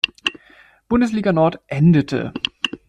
Bundesliga Nord endete.